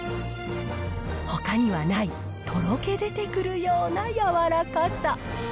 ほかにはないとろけ出てくるような柔らかさ。